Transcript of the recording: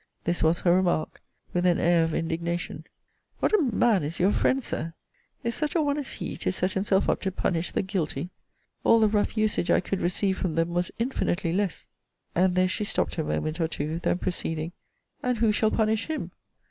this was her remark, with an air of indignation: 'What a man is your friend, Sir! Is such a one as he to set himself up to punish the guilty? All the rough usage I could receive from them, was infinitely less' And there she stopt a moment or two: then proceeding 'And who shall punish him?